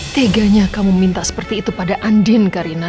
teganya kamu minta seperti itu pada andin karina